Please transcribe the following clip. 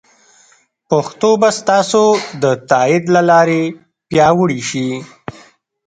پښتو به ستاسو د تایید له لارې پیاوړې شي.